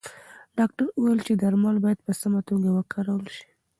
ډاکتر وویل چې درمل باید په سمه توګه وکارول شي.